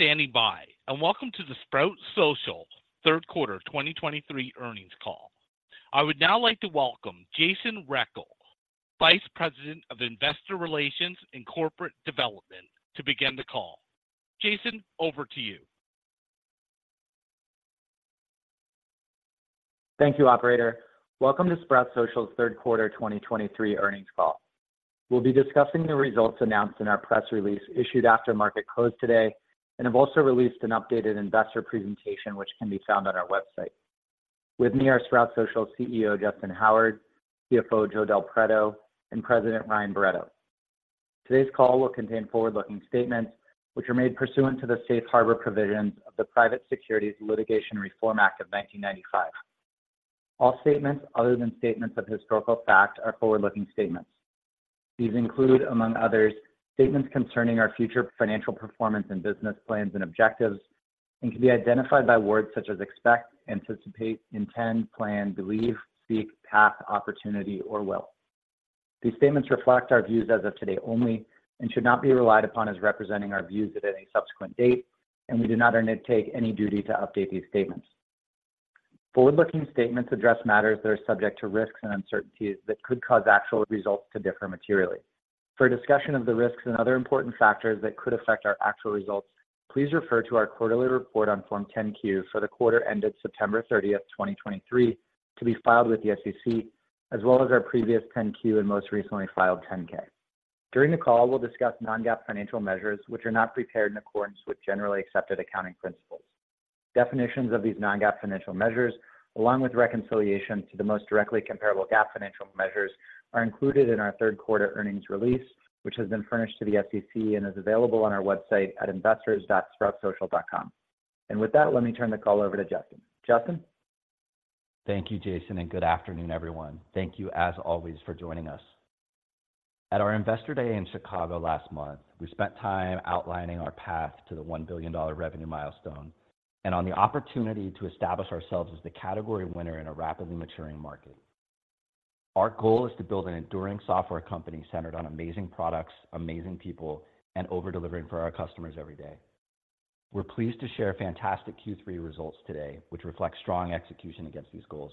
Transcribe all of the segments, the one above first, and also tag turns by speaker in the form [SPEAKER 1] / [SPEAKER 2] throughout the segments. [SPEAKER 1] Thank you for standing by, and welcome to the Sprout Social Q3 2023 Earnings Call. I would now like to welcome Jason Rechel, Vice President of Investor Relations and Corporate Development, to begin the call. Jason, over to you.
[SPEAKER 2] Thank you, operator. Welcome to Sprout Social's Q3 2023 Earnings Call. We'll be discussing the results announced in our press release issued after market close today, and have also released an updated investor presentation, which can be found on our website. With me are Sprout Social CEO, Justyn Howard, CFO, Joe Del Preto, and President, Ryan Barretto. Today's call will contain forward-looking statements, which are made pursuant to the Safe Harbor Provisions of the Private Securities Litigation Reform Act of 1995. All statements other than statements of historical fact are forward-looking statements. These include, among others, statements concerning our future financial performance and business plans and objectives, and can be identified by words such as expect, anticipate, intend, plan, believe, seek, path, opportunity, or will. These statements reflect our views as of today only, and should not be relied upon as representing our views at any subsequent date, and we do not undertake any duty to update these statements. Forward-looking statements address matters that are subject to risks and uncertainties that could cause actual results to differ materially. For a discussion of the risks and other important factors that could affect our actual results, please refer to our quarterly report on Form 10-Q for the quarter ended September 30, 2023, to be filed with the SEC, as well as our previous 10-Q and most recently filed 10-K. During the call, we'll discuss non-GAAP financial measures, which are not prepared in accordance with generally accepted accounting principles. Definitions of these non-GAAP financial measures, along with reconciliation to the most directly comparable GAAP financial measures, are included in our third quarter earnings release, which has been furnished to the SEC and is available on our website at investors.sproutsocial.com. And with that, let me turn the call over to Justyn. Justyn?
[SPEAKER 3] Thank you, Jason, and good afternoon, everyone. Thank you, as always, for joining us. At our Investor Day in Chicago last month, we spent time outlining our path to the $1 billion revenue milestone, and on the opportunity to establish ourselves as the category winner in a rapidly maturing market. Our goal is to build an enduring software company centered on amazing products, amazing people, and over-delivering for our customers every day. We're pleased to share fantastic Q3 results today, which reflect strong execution against these goals.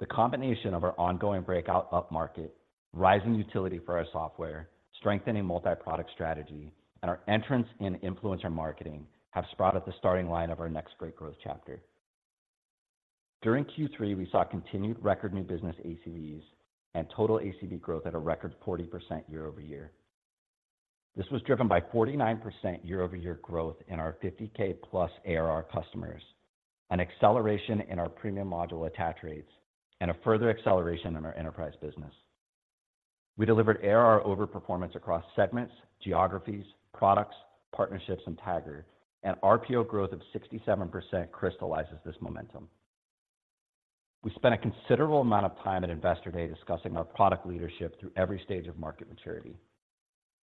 [SPEAKER 3] The combination of our ongoing breakout upmarket, rising utility for our software, strengthening multi-product strategy, and our entrance in influencer marketing have sprouted the starting line of our next great growth chapter. During Q3, we saw continued record new business ACVs and total ACV growth at a record 40% year-over-year. This was driven by 49% year-over-year growth in our 50K+ ARR customers, an acceleration in our premium module attach rates, and a further acceleration in our enterprise business. We delivered ARR overperformance across segments, geographies, products, partnerships, and Tagger, and RPO growth of 67% crystallizes this momentum. We spent a considerable amount of time at Investor Day discussing our product leadership through every stage of market maturity,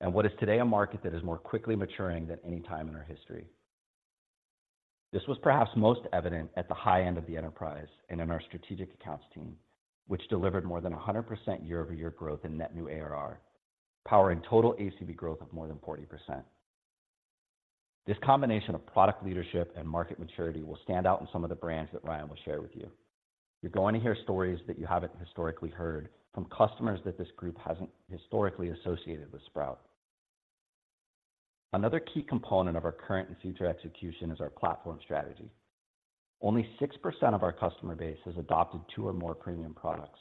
[SPEAKER 3] and what is today a market that is more quickly maturing than any time in our history. This was perhaps most evident at the high end of the enterprise and in our strategic accounts team, which delivered more than 100% year-over-year growth in net new ARR, powering total ACV growth of more than 40%. This combination of product leadership and market maturity will stand out in some of the brands that Ryan will share with you. You're going to hear stories that you haven't historically heard from customers that this group hasn't historically associated with Sprout. Another key component of our current and future execution is our platform strategy. Only 6% of our customer base has adopted two or more premium products,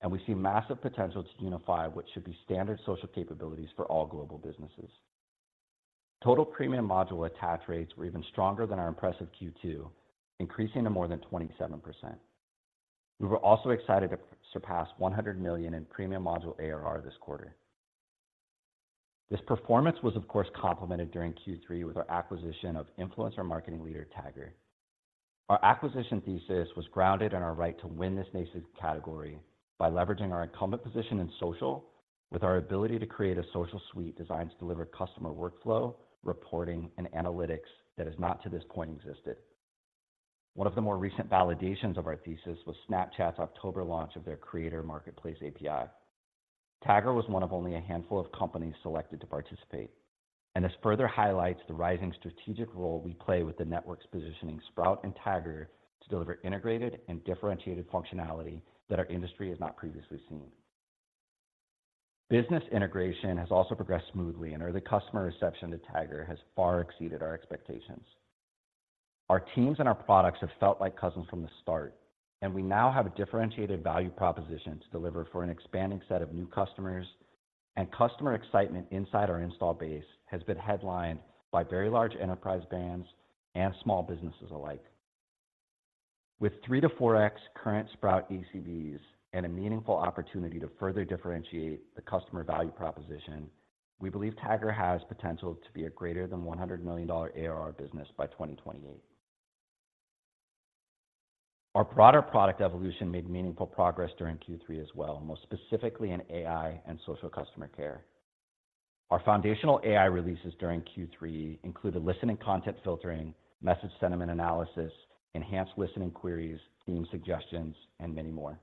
[SPEAKER 3] and we see massive potential to unify what should be standard social capabilities for all global businesses. Total premium module attach rates were even stronger than our impressive Q2, increasing to more than 27%. We were also excited to surpass $100 million in premium module ARR this quarter. This performance was, of course, complemented during Q3 with our acquisition of influencer marketing leader, Tagger. Our acquisition thesis was grounded in our right to win this nascent category by leveraging our incumbent position in social with our ability to create a social suite designed to deliver customer workflow, reporting, and analytics that has not, to this point, existed. One of the more recent validations of our thesis was Snapchat's October launch of their Creator Marketplace API. Tagger was one of only a handful of companies selected to participate, and this further highlights the rising strategic role we play with the network's positioning Sprout and Tagger to deliver integrated and differentiated functionality that our industry has not previously seen. Business integration has also progressed smoothly, and early customer reception to Tagger has far exceeded our expectations. Our teams and our products have felt like cousins from the start, and we now have a differentiated value proposition to deliver for an expanding set of new customers, and customer excitement inside our install base has been headlined by very large enterprise bands and small businesses alike. With 3-4x current Sprout ACVs and a meaningful opportunity to further differentiate the customer value proposition, we believe Tagger has potential to be a greater than $100 million ARR business by 2028. Our broader product evolution made meaningful progress during Q3 as well, most specifically in AI and social customer care. Our foundational AI releases during Q3 included listening, content filtering, message sentiment analysis, enhanced listening queries, theme suggestions, and many more.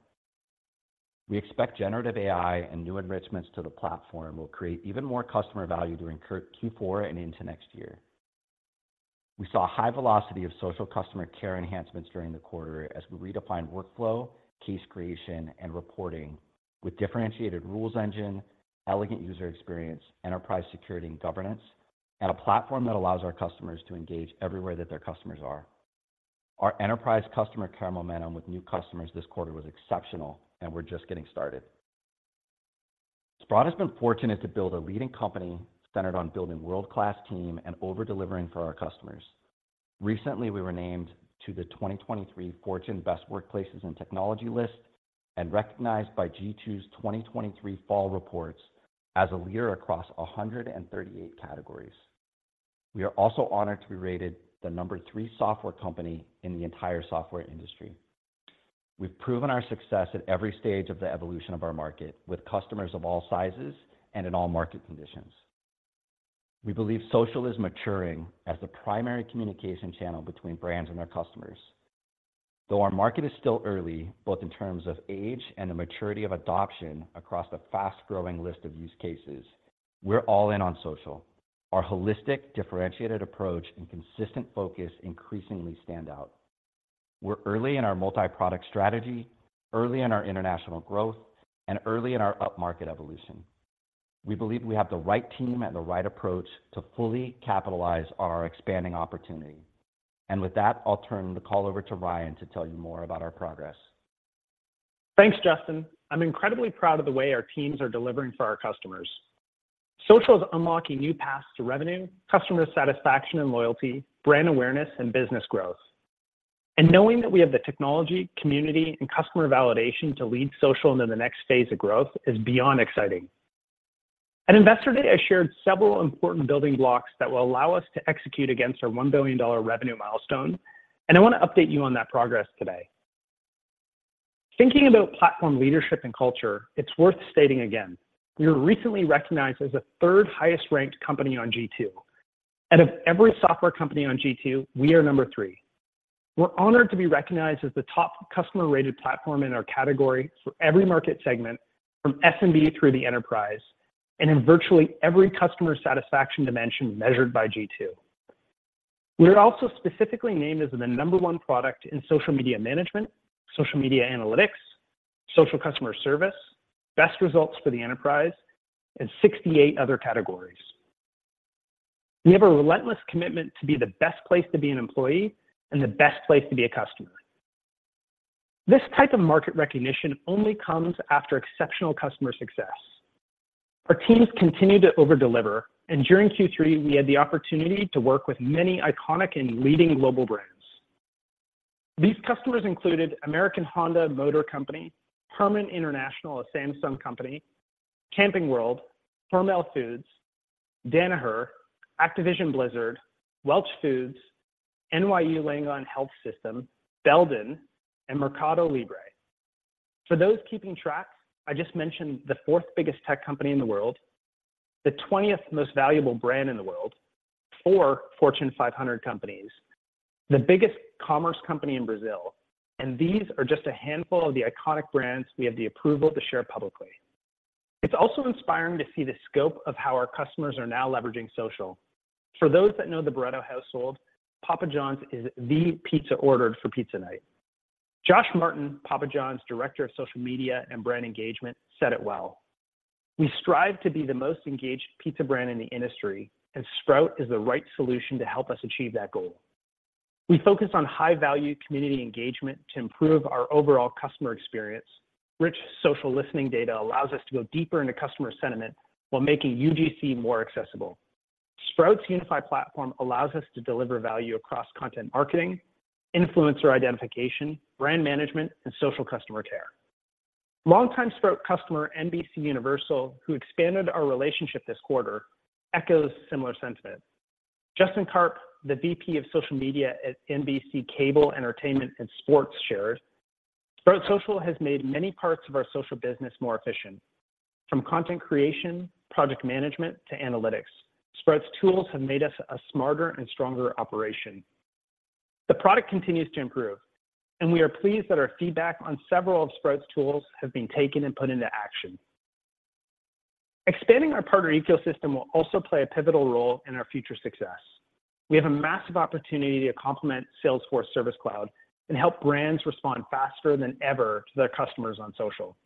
[SPEAKER 3] We expect generative AI and new enrichments to the platform will create even more customer value during Q4 and into next year. We saw high velocity of social customer care enhancements during the quarter as we redefined workflow, case creation, and reporting with differentiated rules engine, elegant user experience, enterprise security and governance, and a platform that allows our customers to engage everywhere that their customers are. Our enterprise customer care momentum with new customers this quarter was exceptional, and we're just getting started. Sprout has been fortunate to build a leading company centered on building world-class team and over-delivering for our customers. Recently, we were named to the 2023 Fortune Best Workplaces in Technology list, and recognized by G2's 2023 fall reports as a leader across 138 categories. We are also honored to be rated the number 3 software company in the entire software industry. We've proven our success at every stage of the evolution of our market, with customers of all sizes and in all market conditions. We believe social is maturing as the primary communication channel between brands and their customers. Though our market is still early, both in terms of age and the maturity of adoption across a fast-growing list of use cases, we're all in on social. Our holistic, differentiated approach, and consistent focus increasingly stand out. We're early in our multi-product strategy, early in our international growth, and early in our upmarket evolution. We believe we have the right team and the right approach to fully capitalize on our expanding opportunity. With that, I'll turn the call over to Ryan to tell you more about our progress.
[SPEAKER 4] Thanks, Justyn. I'm incredibly proud of the way our teams are delivering for our customers. Social is unlocking new paths to revenue, customer satisfaction and loyalty, brand awareness, and business growth. Knowing that we have the technology, community, and customer validation to lead social into the next phase of growth is beyond exciting. At Investor Day, I shared several important building blocks that will allow us to execute against our $1 billion revenue milestone, and I want to update you on that progress today. Thinking about platform leadership and culture, it's worth stating again, we were recently recognized as the third highest ranked company on G2. Out of every software company on G2, we are number three. We're honored to be recognized as the top customer-rated platform in our category for every market segment from SMB through the enterprise, and in virtually every customer satisfaction dimension measured by G2. We are also specifically named as the number one product in social media management, social media analytics, social customer service, best results for the enterprise, and 68 other categories. We have a relentless commitment to be the best place to be an employee and the best place to be a customer. This type of market recognition only comes after exceptional customer success. Our teams continue to over-deliver, and during Q3, we had the opportunity to work with many iconic and leading global brands. These customers included American Honda Motor Company, HARMAN International, a Samsung company, Camping World, Hormel Foods, Danaher, Activision Blizzard, Welch Foods, NYU Langone Health, Belden, and Mercado Libre. For those keeping track, I just mentioned the 4th biggest tech company in the world, the 20th most valuable brand in the world, 4 Fortune 500 companies, the biggest commerce company in Brazil, and these are just a handful of the iconic brands we have the approval to share publicly. It's also inspiring to see the scope of how our customers are now leveraging social. For those that know the Barretto household, Papa John's is the pizza ordered for pizza night. Josh Martin, Papa John's Director of Social Media and Brand Engagement, said it well, "We strive to be the most engaged pizza brand in the industry, and Sprout is the right solution to help us achieve that goal. We focus on high-value community engagement to improve our overall customer experience. Rich social listening data allows us to go deeper into customer sentiment while making UGC more accessible. Sprout's unified platform allows us to deliver value across content marketing, influencer identification, brand management, and social customer care." Long-time Sprout customer, NBCUniversal, who expanded our relationship this quarter, echoes similar sentiment. Justin Karp, the VP of Social Media at NBC Cable Entertainment and Sports, shared, "Sprout Social has made many parts of our social business more efficient, from content creation, project management, to analytics. Sprout's tools have made us a smarter and stronger operation. The product continues to improve, and we are pleased that our feedback on several of Sprout's tools have been taken and put into action." Expanding our partner ecosystem will also play a pivotal role in our future success. We have a massive opportunity to complement Salesforce Service Cloud and help brands respond faster than ever to their customers on social.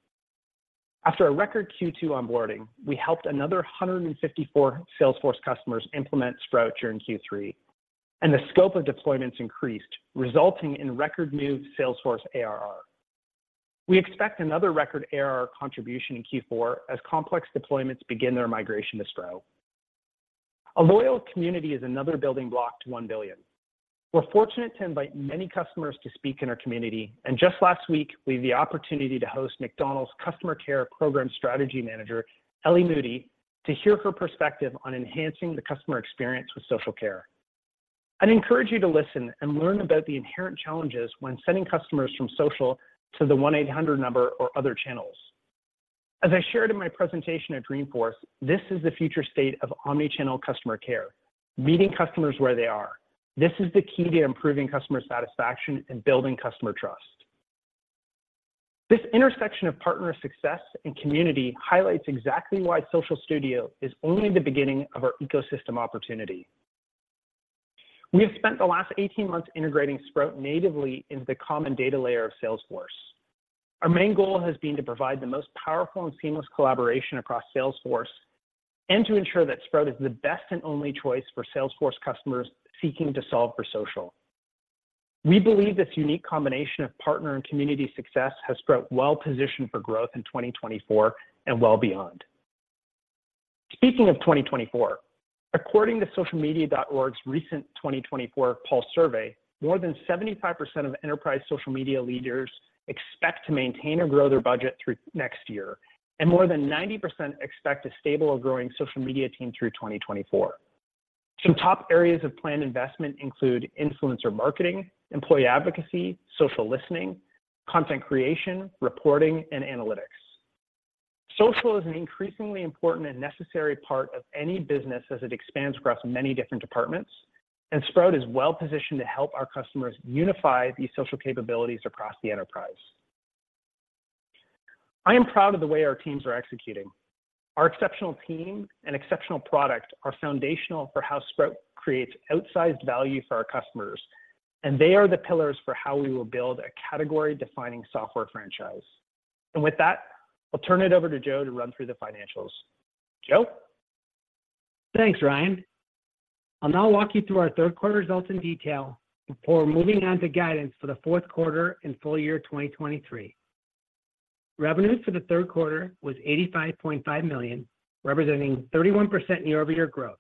[SPEAKER 4] After a record Q2 onboarding, we helped another 154 Salesforce customers implement Sprout during Q3, and the scope of deployments increased, resulting in record new Salesforce ARR. We expect another record ARR contribution in Q4 as complex deployments begin their migration to Sprout. A loyal community is another building block to 1 billion. We're fortunate to invite many customers to speak in our community, and just last week, we had the opportunity to host McDonald's Customer Care Program Strategy Manager, Ellie Moody, to hear her perspective on enhancing the customer experience with social care. I'd encourage you to listen and learn about the inherent challenges when sending customers from social to the 1-800 number or other channels.... As I shared in my presentation at Dreamforce, this is the future state of omni-channel customer care, meeting customers where they are. This is the key to improving customer satisfaction and building customer trust. This intersection of partner success and community highlights exactly why Social Studio is only the beginning of our ecosystem opportunity. We have spent the last 18 months integrating Sprout natively into the common data layer of Salesforce. Our main goal has been to provide the most powerful and seamless collaboration across Salesforce, and to ensure that Sprout is the best and only choice for Salesforce customers seeking to solve for social. We believe this unique combination of partner and community success has Sprout well positioned for growth in 2024 and well beyond. Speaking of 2024, according to socialmedia.orgs recent 2024 pulse survey, more than 75% of enterprise social media leaders expect to maintain or grow their budget through next year, and more than 90% expect a stable or growing social media team through 2024. Some top areas of planned investment include influencer marketing, employee advocacy, social listening, content creation, reporting, and analytics. Social is an increasingly important and necessary part of any business as it expands across many different departments, and Sprout is well positioned to help our customers unify these social capabilities across the enterprise. I am proud of the way our teams are executing. Our exceptional team and exceptional product are foundational for how Sprout creates outsized value for our customers, and they are the pillars for how we will build a category-defining software franchise. With that, I'll turn it over to Joe to run through the financials. Joe?
[SPEAKER 5] Thanks, Ryan. I'll now walk you through our Q3 results in detail before moving on to guidance for the Q4 and full year 2023. Revenues for the Q3 was $85.5 million, representing 31% year-over-year growth.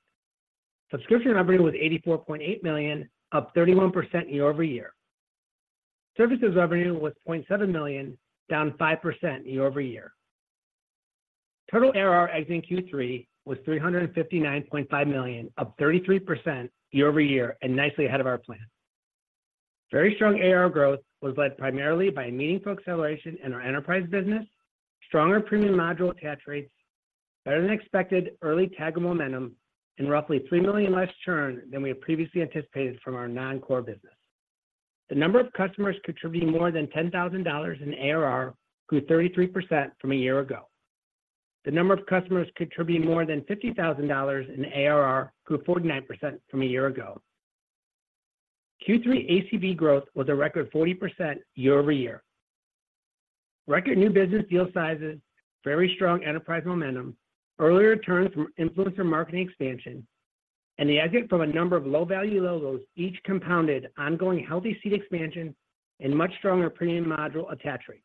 [SPEAKER 5] Subscription revenue was $84.8 million, up 31% year-over-year. Services revenue was $0.7 million, down 5% year-over-year. Total ARR exiting Q3 was $359.5 million, up 33% year-over-year and nicely ahead of our plan. Very strong ARR growth was led primarily by a meaningful acceleration in our enterprise business, stronger premium module attach rates, better than expected early Tagger momentum, and roughly $3 million less churn than we had previously anticipated from our non-core business. The number of customers contributing more than $10,000 in ARR grew 33% from a year ago. The number of customers contributing more than $50,000 in ARR grew 49% from a year ago. Q3 ACV growth was a record 40% year-over-year. Record new business deal sizes, very strong enterprise momentum, earlier returns from influencer marketing expansion, and the exit from a number of low-value logos each compounded ongoing healthy seat expansion and much stronger premium module attach rates.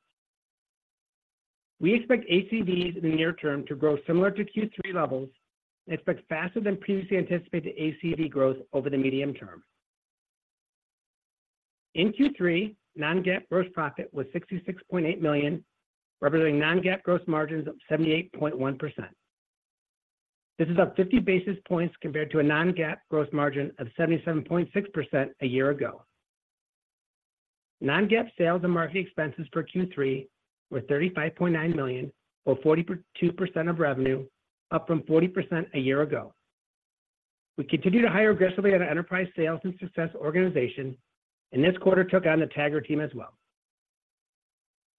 [SPEAKER 5] We expect ACVs in the near term to grow similar to Q3 levels and expect faster than previously anticipated ACV growth over the medium term. In Q3, non-GAAP gross profit was $66.8 million, representing non-GAAP gross margins of 78.1%. This is up 50 basis points compared to a non-GAAP gross margin of 77.6% a year ago. Non-GAAP sales and marketing expenses for Q3 were $35.9 million, or 42% of revenue, up from 40% a year ago. We continue to hire aggressively at our enterprise sales and success organization, and this quarter took on the Tagger team as well.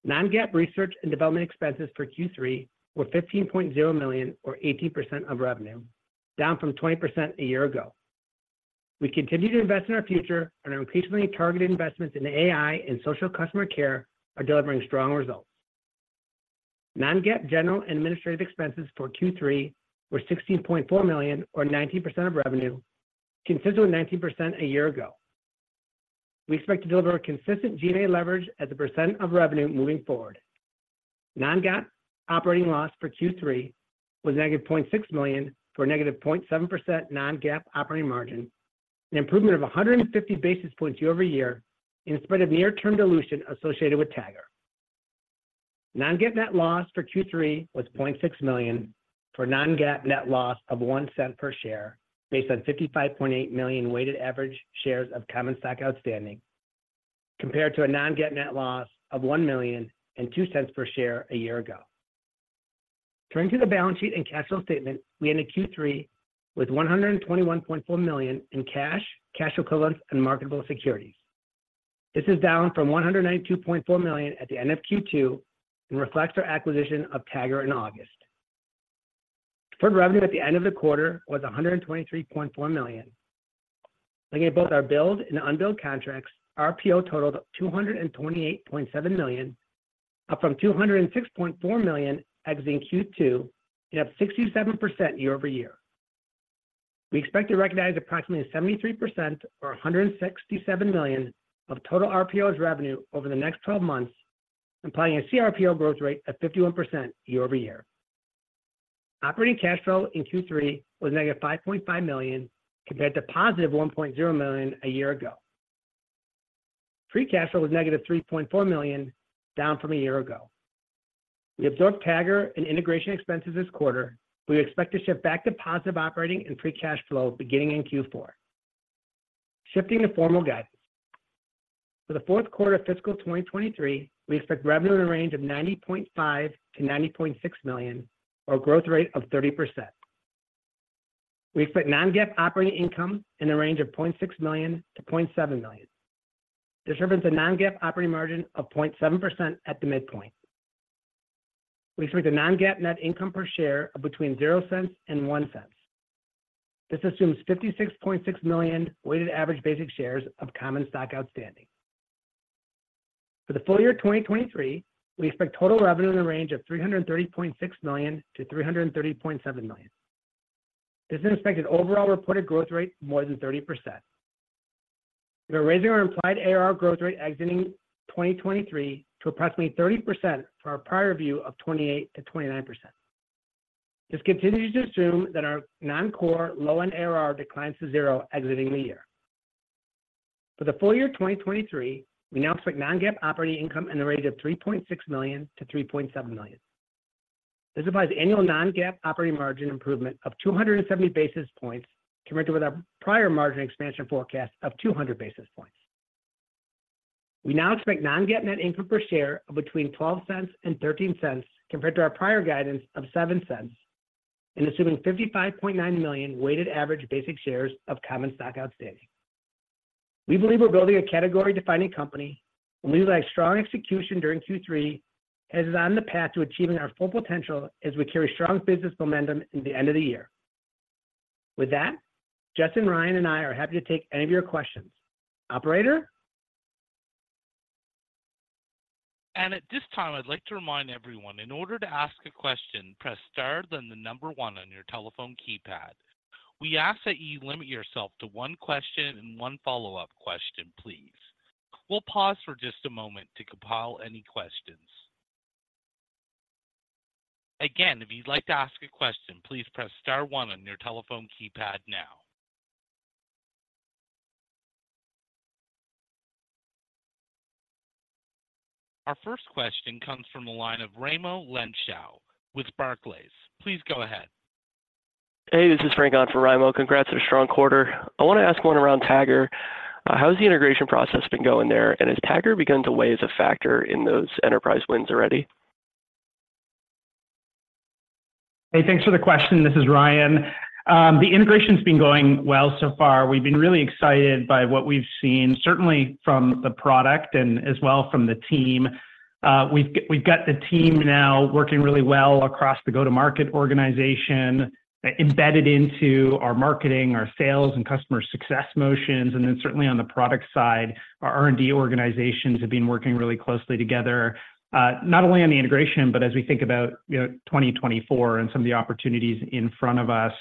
[SPEAKER 5] Non-GAAP research and development expenses for Q3 were $15.0 million, or 18% of revenue, down from 20% a year ago. We continue to invest in our future, and our increasingly targeted investments in AI and social customer care are delivering strong results. Non-GAAP general and administrative expenses for Q3 were $16.4 million, or 19% of revenue, consistent with 19% a year ago. We expect to deliver a consistent G&A leverage as a percent of revenue moving forward. Non-GAAP operating loss for Q3 was -$0.6 million, for a -0.7% non-GAAP operating margin, an improvement of 150 basis points year-over-year, in spite of near-term dilution associated with Tagger. Non-GAAP net loss for Q3 was $0.6 million, for a non-GAAP net loss of $0.01 per share, based on 55.8 million weighted average shares of common stock outstanding, compared to a non-GAAP net loss of $1 million and $0.02 per share a year ago. Turning to the balance sheet and cash flow statement, we ended Q3 with $121.4 million in cash, cash equivalents, and marketable securities. This is down from $192.4 million at the end of Q2 and reflects our acquisition of Tagger in August. Firm revenue at the end of the quarter was $123.4 million. Looking at both our billed and unbilled contracts, our RPO totaled $228.7 million, up from $206.4 million exiting Q2, and up 67% year-over-year. We expect to recognize approximately 73% or $167 million of total RPO as revenue over the next 12 months, implying a CRPO growth rate of 51% year-over-year. Operating cash flow in Q3 was negative $5.5 million, compared to positive $1.0 million a year ago. Free cash flow was negative $3.4 million, down from a year ago. We absorbed Tagger and integration expenses this quarter. We expect to shift back to positive operating and free cash flow beginning in Q4. Shifting to formal guide-... For the Q4 of fiscal 2023, we expect revenue in a range of $90.5 million-$90.6 million, or a growth rate of 30%. We expect non-GAAP operating income in the range of $0.6 million-$0.7 million. This represents a non-GAAP operating margin of 0.7% at the midpoint. We expect a non-GAAP net income per share of between $0.00 and $0.01. This assumes 56.6 million weighted average basic shares of common stock outstanding. For the full year 2023, we expect total revenue in the range of $330.6 million-$330.7 million. This is an expected overall reported growth rate more than 30%. We are raising our implied ARR growth rate exiting 2023 to approximately 30% from our prior view of 28%-29%. This continues to assume that our non-core low-end ARR declines to zero exiting the year. For the full year 2023, we now expect non-GAAP operating income in the range of $3.6 million-$3.7 million. This provides annual non-GAAP operating margin improvement of 270 basis points, compared to with our prior margin expansion forecast of 200 basis points. We now expect non-GAAP net income per share of between $0.12 and $0.13, compared to our prior guidance of $0.07, and assuming 55.9 million weighted average basic shares of common stock outstanding. We believe we're building a category-defining company, and we saw strong execution during Q3, as we're on the path to achieving our full potential as we carry strong business momentum into the end of the year. With that, Justyn, Ryan, and I are happy to take any of your questions. Operator?
[SPEAKER 1] At this time, I'd like to remind everyone, in order to ask a question, press star, then the number one on your telephone keypad. We ask that you limit yourself to one question and one follow-up question, please. We'll pause for just a moment to compile any questions. Again, if you'd like to ask a question, please press star one on your telephone keypad now. Our first question comes from the line of Raimo Lenschow with Barclays. Please go ahead.
[SPEAKER 6] Hey, this is Frank on for Raimo. Congrats on a strong quarter. I want to ask one around Tagger. How has the integration process been going there, and has Tagger begun to weigh as a factor in those enterprise wins already?
[SPEAKER 4] Hey, thanks for the question. This is Ryan. The integration's been going well so far. We've been really excited by what we've seen, certainly from the product and as well from the team. We've got the team now working really well across the go-to-market organization, embedded into our marketing, our sales, and customer success motions, and then certainly on the product side, our R&D organizations have been working really closely together, not only on the integration, but as we think about, you know, 2024 and some of the opportunities in front of us.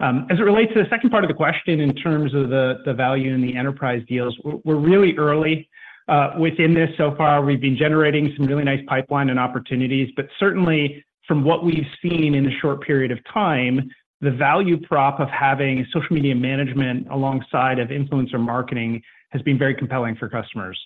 [SPEAKER 4] As it relates to the second part of the question in terms of the, the value in the enterprise deals, we're, we're really early within this. So far, we've been generating some really nice pipeline and opportunities, but certainly from what we've seen in a short period of time, the value prop of having social media management alongside of influencer marketing has been very compelling for customers.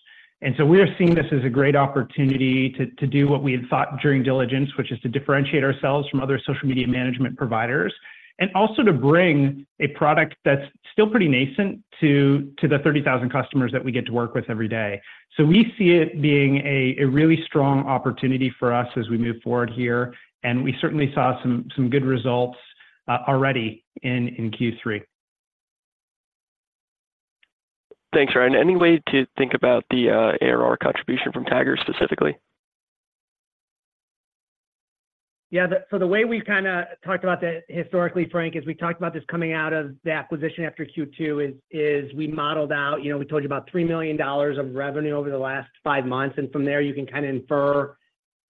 [SPEAKER 4] So we are seeing this as a great opportunity to do what we had thought during diligence, which is to differentiate ourselves from other social media management providers, and also to bring a product that's still pretty nascent to the 30,000 customers that we get to work with every day. So we see it being a really strong opportunity for us as we move forward here, and we certainly saw some good results already in Q3.
[SPEAKER 6] Thanks, Ryan. Any way to think about the ARR contribution from Tagger, specifically?
[SPEAKER 5] Yeah, so the way we've kinda talked about that historically, Frank, is we talked about this coming out of the acquisition after Q2, we modeled out, you know, we told you about $3 million of revenue over the last five months, and from there, you can kinda infer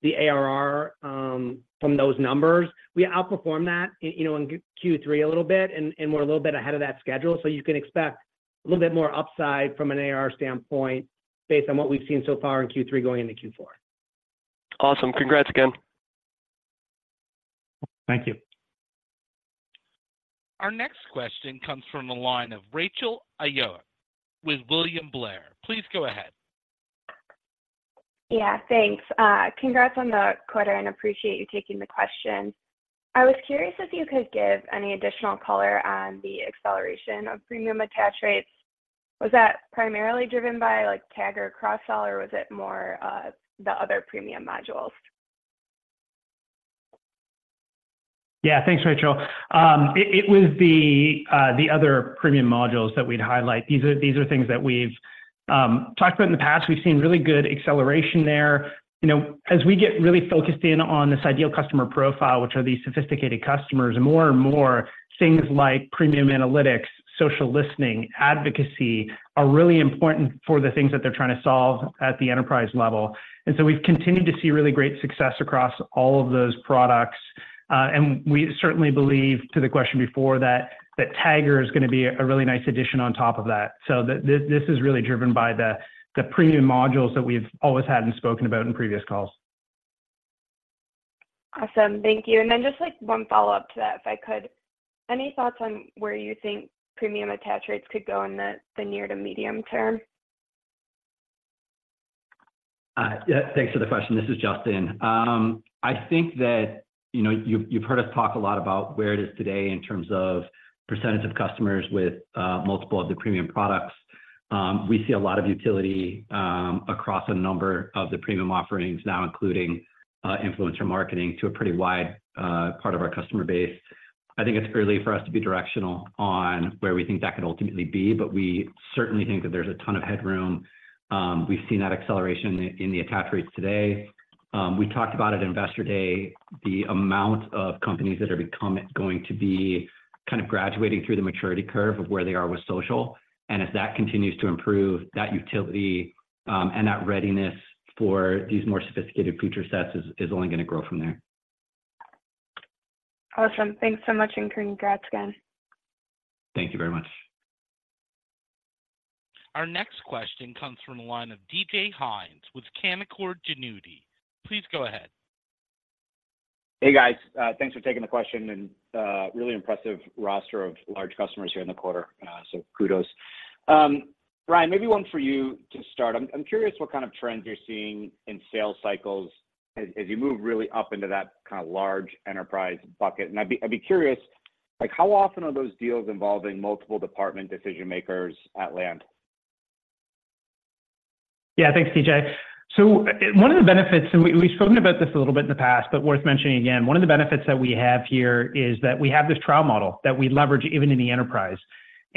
[SPEAKER 5] the ARR from those numbers. We outperformed that, you know, in Q3 a little bit, and we're a little bit ahead of that schedule, so you can expect a little bit more upside from an ARR standpoint based on what we've seen so far in Q3 going into Q4.
[SPEAKER 6] Awesome. Congrats again.
[SPEAKER 4] Thank you.
[SPEAKER 1] Our next question comes from the line of Rachel Ayob, with William Blair. Please go ahead.
[SPEAKER 7] Yeah, thanks. Congrats on the quarter, and appreciate you taking the question. I was curious if you could give any additional color on the acceleration of premium attach rates. Was that primarily driven by, like, Tagger cross-sell, or was it more, the other premium modules?
[SPEAKER 4] Yeah, thanks, Rachel. It was the other premium modules that we'd highlight. These are things that we've talked about in the past. We've seen really good acceleration there. You know, as we get really focused in on this ideal customer profile, which are these sophisticated customers, more and more things like premium analytics, social listening, advocacy, are really important for the things that they're trying to solve at the enterprise level. And so we've continued to see really great success across all of those products, and we certainly believe, to the question before, that Tagger is gonna be a really nice addition on top of that. So this is really driven by the premium modules that we've always had and spoken about in previous calls.
[SPEAKER 7] Awesome. Thank you. And then just, like, one follow-up to that, if I could. Any thoughts on where you think premium attach rates could go in the, the near to medium term?...
[SPEAKER 3] Yeah, thanks for the question. This is Justyn. I think that, you know, you've heard us talk a lot about where it is today in terms of percentage of customers with multiple of the premium products. We see a lot of utility across a number of the premium offerings now, including influencer marketing, to a pretty wide part of our customer base. I think it's early for us to be directional on where we think that could ultimately be, but we certainly think that there's a ton of headroom. We've seen that acceleration in the attach rates today. We talked about at Investor Day, the amount of companies that are going to be kind of graduating through the maturity curve of where they are with social. As that continues to improve, that utility, and that readiness for these more sophisticated feature sets is only gonna grow from there.
[SPEAKER 7] Awesome. Thanks so much, and congrats again.
[SPEAKER 3] Thank you very much.
[SPEAKER 1] Our next question comes from the line of DJ Hynes with Canaccord Genuity. Please go ahead.
[SPEAKER 8] Hey, guys. Thanks for taking the question, and really impressive roster of large customers here in the quarter, so kudos. Ryan, maybe one for you to start. I'm curious what kind of trends you're seeing in sales cycles as you move really up into that kind of large enterprise bucket. And I'd be curious, like, how often are those deals involving multiple department decision-makers at hand?
[SPEAKER 4] Yeah, thanks, DJ. So one of the benefits, and we, we've spoken about this a little bit in the past, but worth mentioning again, one of the benefits that we have here is that we have this trial model that we leverage even in the enterprise.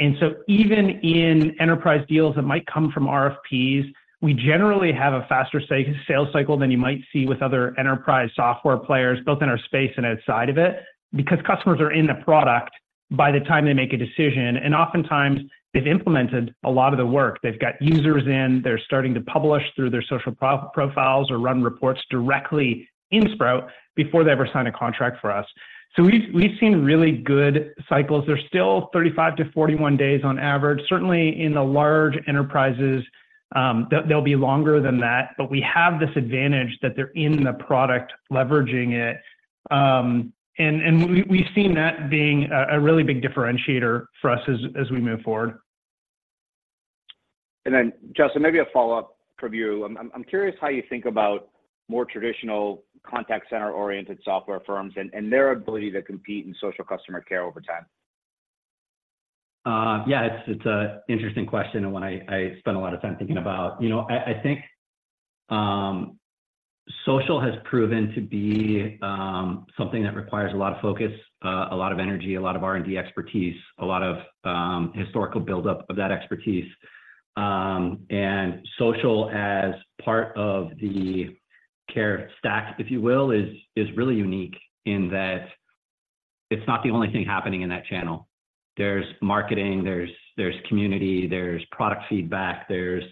[SPEAKER 4] And so even in enterprise deals that might come from RFPs, we generally have a faster sales cycle than you might see with other enterprise software players, both in our space and outside of it, because customers are in the product by the time they make a decision. And oftentimes, they've implemented a lot of the work. They've got users in, they're starting to publish through their social profiles or run reports directly in Sprout before they ever sign a contract for us. So we've, we've seen really good cycles. They're still 35-41 days on average. Certainly, in the large enterprises, they'll be longer than that, but we have this advantage that they're in the product, leveraging it. And we, we've seen that being a really big differentiator for us as we move forward.
[SPEAKER 8] And then, Justyn, maybe a follow-up from you. I'm curious how you think about more traditional contact center-oriented software firms and their ability to compete in social customer care over time.
[SPEAKER 3] Yeah, it's a interesting question, and one I spend a lot of time thinking about. You know, I think social has proven to be something that requires a lot of focus, a lot of energy, a lot of R&D expertise, a lot of historical buildup of that expertise. And social, as part of the care stack, if you will, is really unique in that it's not the only thing happening in that channel. There's marketing, there's community, there's product feedback, there's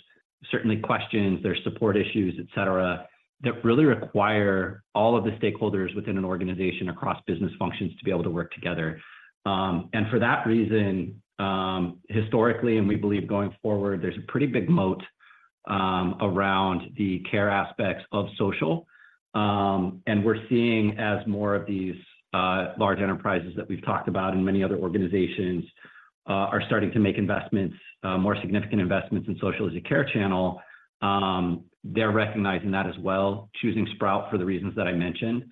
[SPEAKER 3] certainly questions, there's support issues, et cetera, that really require all of the stakeholders within an organization across business functions to be able to work together. And for that reason, historically, and we believe going forward, there's a pretty big moat around the care aspects of social. And we're seeing, as more of these large enterprises that we've talked about and many other organizations are starting to make investments, more significant investments in social as a care channel, they're recognizing that as well, choosing Sprout for the reasons that I mentioned,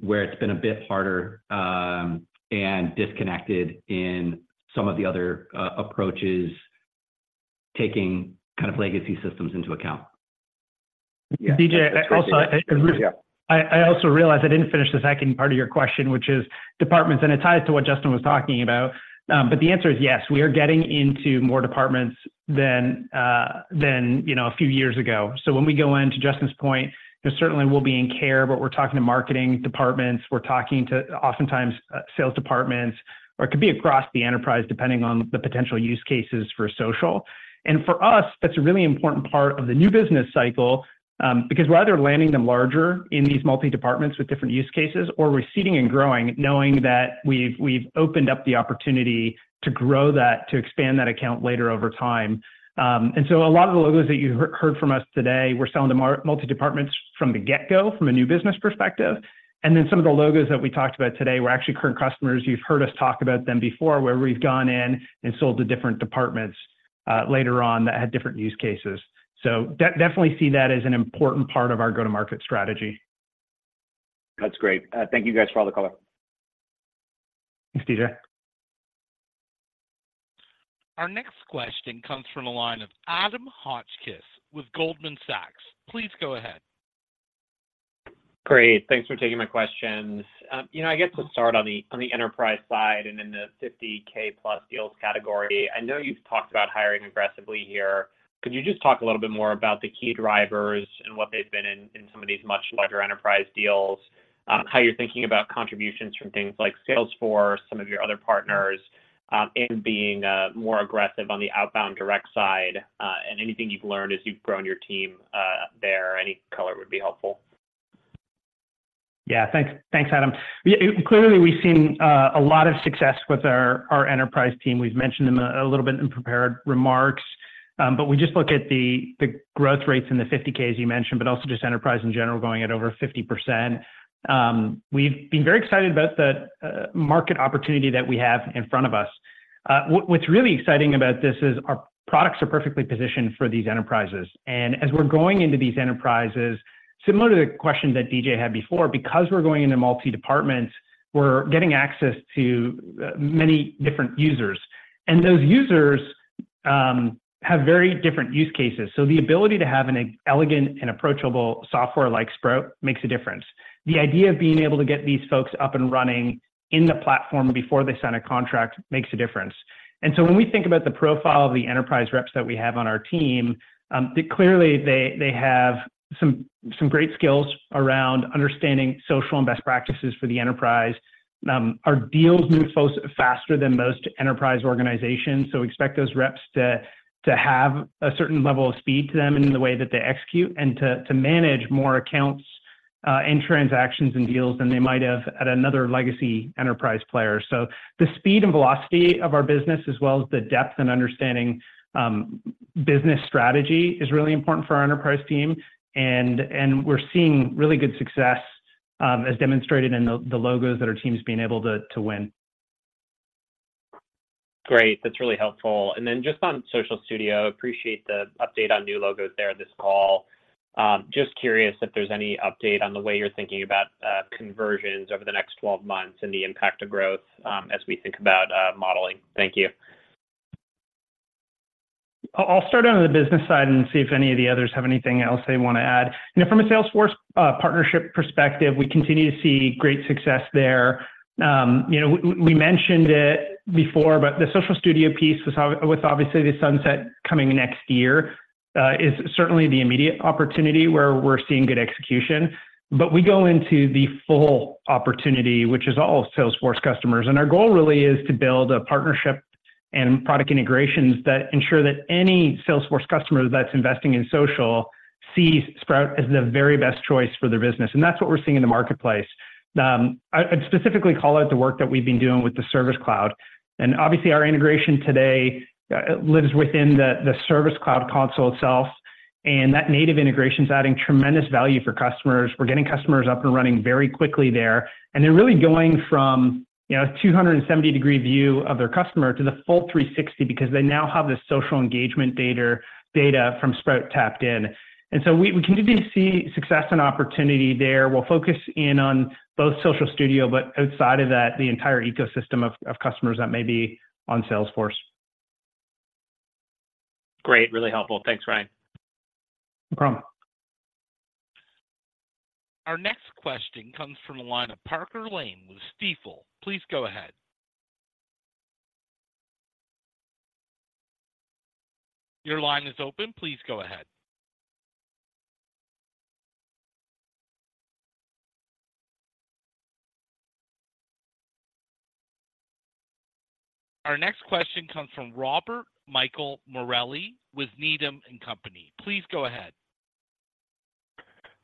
[SPEAKER 3] where it's been a bit harder and disconnected in some of the other approaches, taking kind of legacy systems into account.
[SPEAKER 4] DJ, also, I also realized I didn't finish the second part of your question, which is departments, and it ties to what Justin was talking about. But the answer is yes, we are getting into more departments than you know a few years ago. So when we go in, to Justyn's point, there certainly will be in care, but we're talking to marketing departments, we're talking to, oftentimes, sales departments, or it could be across the enterprise, depending on the potential use cases for social. And for us, that's a really important part of the new business cycle, because we're either landing them larger in these multi-departments with different use cases or we're seeding and growing, knowing that we've opened up the opportunity to grow that, to expand that account later over time. And so a lot of the logos that you heard from us today, we're selling to multi-departments from the get-go, from a new business perspective. And then some of the logos that we talked about today were actually current customers. You've heard us talk about them before, where we've gone in and sold to different departments later on that had different use cases. So definitely see that as an important part of our go-to-market strategy.
[SPEAKER 8] That's great. Thank you guys for all the color.
[SPEAKER 4] Thanks, DJ.
[SPEAKER 1] Our next question comes from the line of Adam Hotchkiss with Goldman Sachs. Please go ahead.
[SPEAKER 9] Great. Thanks for taking my questions. You know, I guess to start on the enterprise side and in the 50K+ deals category, I know you've talked about hiring aggressively here. Could you just talk a little bit more about the key drivers and what they've been in some of these much larger enterprise deals, how you're thinking about contributions from things like Salesforce, some of your other partners, in being more aggressive on the outbound direct side, and anything you've learned as you've grown your team there? Any color would be helpful.
[SPEAKER 4] Yeah. Thanks, thanks, Adam. Yeah, clearly, we've seen a lot of success with our enterprise team. We've mentioned them a little bit in prepared remarks, but we just look at the growth rates in the 50 Ks you mentioned, but also just enterprise in general, going at over 50%. We've been very excited about the market opportunity that we have in front of us. What’s really exciting about this is our products are perfectly positioned for these enterprises. And as we're going into these enterprises, similar to the question that DJ had before, because we're going into multi-departments, we're getting access to many different users. And those users have very different use cases. So the ability to have an elegant and approachable software like Sprout makes a difference. The idea of being able to get these folks up and running in the platform before they sign a contract makes a difference. So when we think about the profile of the enterprise reps that we have on our team, clearly, they have some great skills around understanding social and best practices for the enterprise. Our deals move folks faster than most enterprise organizations, so expect those reps to have a certain level of speed to them in the way that they execute and to manage more accounts, and transactions and deals than they might have at another legacy enterprise player. So the speed and velocity of our business, as well as the depth and understanding, business strategy, is really important for our enterprise team. We're seeing really good success, as demonstrated in the logos that our team's been able to win.
[SPEAKER 9] Great. That's really helpful. And then just on Social Studio, appreciate the update on new logos there this call. Just curious if there's any update on the way you're thinking about conversions over the next twelve months and the impact of growth as we think about modeling. Thank you.
[SPEAKER 4] I'll start on the business side and see if any of the others have anything else they want to add. You know, from a Salesforce partnership perspective, we continue to see great success there. You know, we mentioned it before, but the Social Studio piece, with obviously the sunset coming next year, is certainly the immediate opportunity where we're seeing good execution. But we go into the full opportunity, which is all Salesforce customers. And our goal really is to build a partnership and product integrations that ensure that any Salesforce customer that's investing in social sees Sprout as the very best choice for their business, and that's what we're seeing in the marketplace. I'd specifically call out the work that we've been doing with the Service Cloud, and obviously, our integration today lives within the Service Cloud console itself, and that native integration is adding tremendous value for customers. We're getting customers up and running very quickly there, and they're really going from, you know, a 270-degree view of their customer to the full 360 because they now have this social engagement data from Sprout tapped in. And so we continue to see success and opportunity there. We'll focus in on both Social Studio, but outside of that, the entire ecosystem of customers that may be on Salesforce.
[SPEAKER 9] Great, really helpful. Thanks, Ryan.
[SPEAKER 4] No problem.
[SPEAKER 1] Our next question comes from the line of Parker Lane with Stifel. Please go ahead. Your line is open. Please go ahead. Our next question comes from Robert Michael Morelli with Needham and Company. Please go ahead.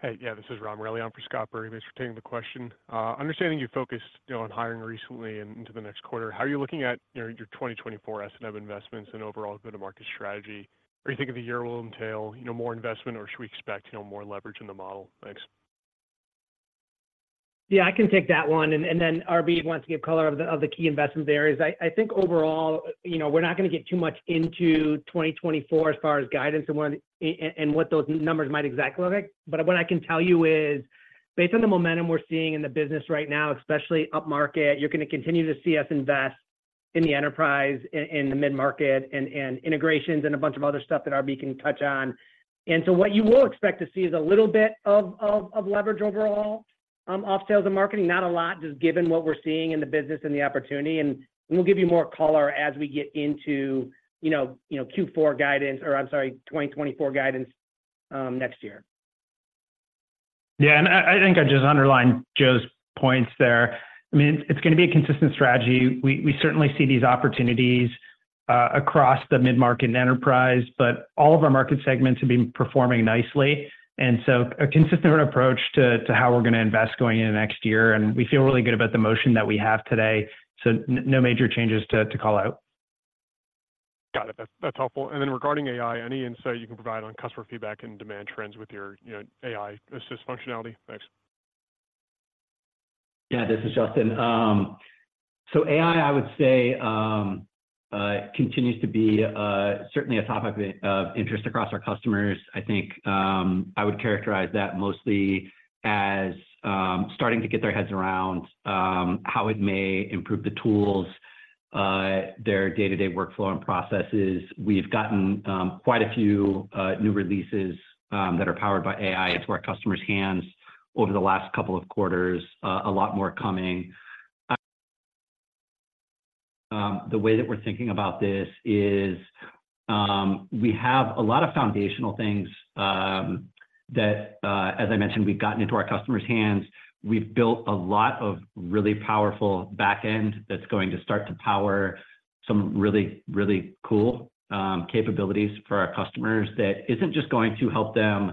[SPEAKER 10] Hey, yeah, this is Rob Morelli on for Scott Berg. Thanks for taking the question. Understanding you focused, you know, on hiring recently and into the next quarter, how are you looking at, you know, your 2024 investments and overall go-to-market strategy? Are you thinking the year will entail, you know, more investment, or should we expect, you know, more leverage in the model? Thanks.
[SPEAKER 5] Yeah, I can take that one, and then RB wants to give color of the key investments there is. I think overall, you know, we're not going to get too much into 2024 as far as guidance and what, and what those numbers might exactly look like. But what I can tell you is, based on the momentum we're seeing in the business right now, especially upmarket, you're going to continue to see us invest in the enterprise, in the mid-market, and integrations, and a bunch of other stuff that RB can touch on. And so what you will expect to see is a little bit of leverage overall, off sales and marketing, not a lot, just given what we're seeing in the business and the opportunity. We'll give you more color as we get into, you know, you know, Q4 guidance or I'm sorry, 2024 guidance, next year.
[SPEAKER 4] Yeah, I think I just underline Joe's points there. I mean, it's going to be a consistent strategy. We certainly see these opportunities across the mid-market enterprise, but all of our market segments have been performing nicely, and so a consistent approach to how we're going to invest going into next year, and we feel really good about the motion that we have today, so no major changes to call out.
[SPEAKER 10] Got it. That's helpful. And then regarding AI, any insight you can provide on customer feedback and demand trends with your, you know, AI Assist functionality? Thanks.
[SPEAKER 3] Yeah, this is Justyn. So AI, I would say, continues to be certainly a topic of interest across our customers. I think I would characterize that mostly as starting to get their heads around how it may improve the tools their day-to-day workflow and processes. We've gotten quite a few new releases that are powered by AI into our customers' hands over the last couple of quarters. A lot more coming. The way that we're thinking about this is we have a lot of foundational things that, as I mentioned, we've gotten into our customers' hands. We've built a lot of really powerful back-end that's going to start to power some really, really cool capabilities for our customers that isn't just going to help them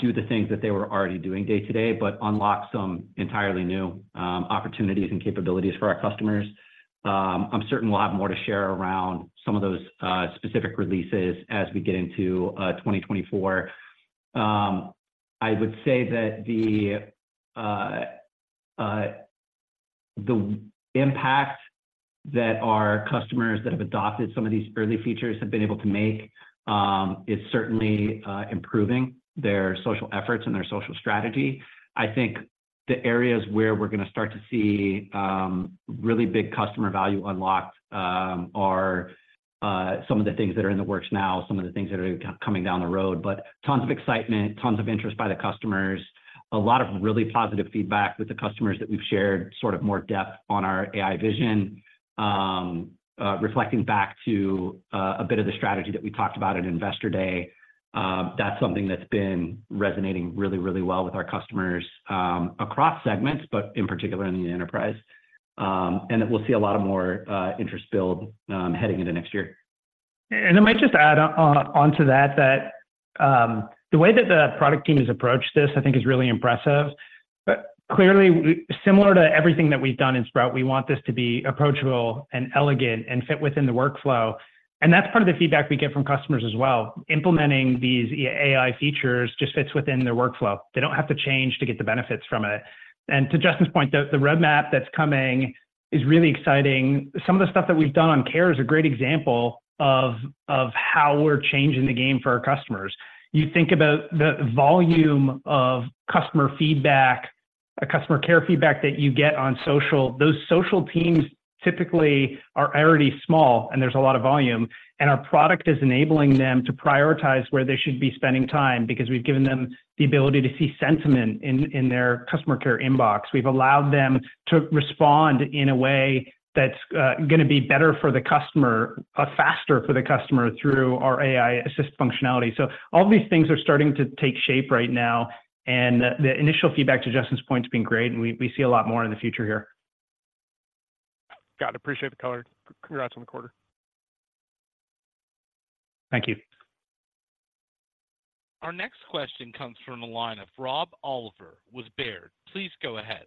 [SPEAKER 3] do the things that they were already doing day-to-day, but unlock some entirely new opportunities and capabilities for our customers. I'm certain we'll have more to share around some of those specific releases as we get into 2024. I would say that the impact that our customers that have adopted some of these early features have been able to make is certainly improving their social efforts and their social strategy. I think the areas where we're gonna start to see really big customer value unlocked are some of the things that are in the works now, some of the things that are coming down the road. But tons of excitement, tons of interest by the customers, a lot of really positive feedback with the customers that we've shared, sort of more depth on our AI vision. Reflecting back to a bit of the strategy that we talked about at Investor Day, that's something that's been resonating really, really well with our customers across segments, but in particular in the enterprise. And that we'll see a lot more interest build heading into next year.
[SPEAKER 4] I might just add on to that, that the way that the product team has approached this, I think is really impressive. But clearly, similar to everything that we've done in Sprout, we want this to be approachable and elegant and fit within the workflow, and that's part of the feedback we get from customers as well. Implementing these AI features just fits within their workflow. They don't have to change to get the benefits from it. And to Justyn's point, the roadmap that's coming is really exciting. Some of the stuff that we've done on care is a great example of how we're changing the game for our customers. You think about the volume of customer feedback, customer care feedback that you get on social. Those social teams typically are already small, and there's a lot of volume, and our product is enabling them to prioritize where they should be spending time, because we've given them the ability to see sentiment in their customer care inbox. We've allowed them to respond in a way that's gonna be better for the customer, faster for the customer through our AI Assist functionality. So all these things are starting to take shape right now, and the initial feedback, to Justin's point, has been great, and we see a lot more in the future here.
[SPEAKER 10] Got it. Appreciate the color. Congrats on the quarter.
[SPEAKER 4] Thank you.
[SPEAKER 1] Our next question comes from the line of Rob Oliver with Baird. Please go ahead.